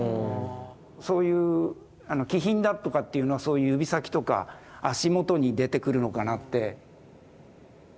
そういう気品だとかっていうのはそういう指先とか足元に出てくるのかなって。